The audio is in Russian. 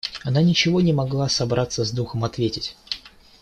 Она ничего не могла собраться с духом ответить.